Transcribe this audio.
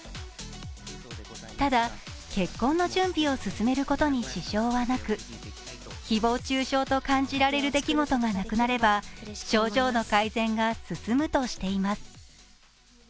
ただ、結婚の準備を進めることに支障はなく誹謗中傷と感じられる出来事がなくなれば症状の改善が進むとしています。